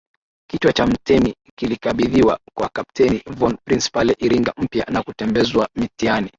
Kichwa cha mtemi kilikabidhiwa kwa Kapteni von Prince pale Iringa Mpya na kutembezwa mtiaani